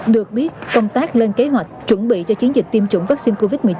được biết công tác lên kế hoạch chuẩn bị cho chiến dịch tiêm chủng vaccine covid một mươi chín